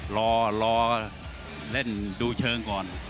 รอรอเล่นดูเชิงก่อน